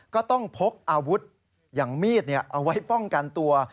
ก็ต้องพกอาวุธอย่างมีดเอาไว้ป้องกันตัว